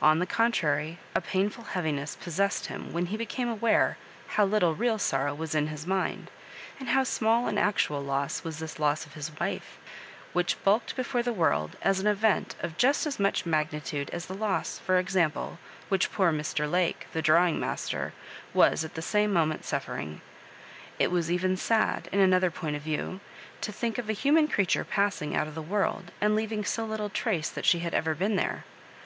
On the con trary, a painful heaviness possessed him when he became aware how little real sorrow was in his mind, and how small an actual loss was this * loss of his wife, which bulked before the worid as an event of just as much magnitude as the loss, for example, which poor Mr. Lake, the drawing master, was at the same moment suffer ing. It was even sad, in another point of view, to think of a human creature passing out of the world, and leaving so little trace that she had ever been there.